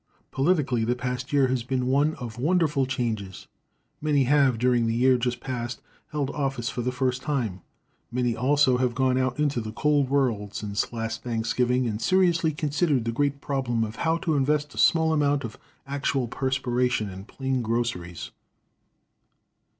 Politically, the past year has been one of wonderful changes. Many have, during the year just past, held office for the first time. Many, also, have gone out into the cold world since last Thanksgiving and seriously considered the great problem of how to invest a small amount of actual perspiration in plain groceries.